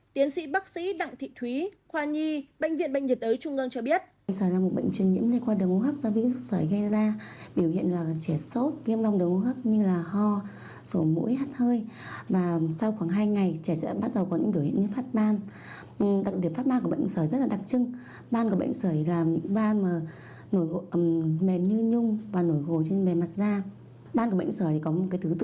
tiến sĩ bác sĩ đặng thị thúy khoa nhi bệnh viện bệnh nhiệt đới trung ương cho biết